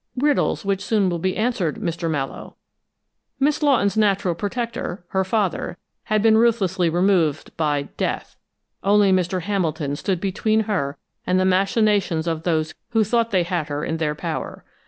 "Riddles which will soon be answered, Mr. Mallowe. Miss Lawton's natural protector her father had been ruthlessly removed by death. Only Mr. Hamilton stood between her and the machinations of those who thought they had her in their power.